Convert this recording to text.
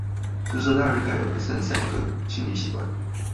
成熟大人該有的三十三個心理習慣